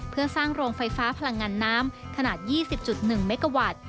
เพื่อสร้างโรงไฟฟ้าพลังงานน้ำขนาด๒๐๑เมกาวัตต์